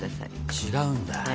違うんだ？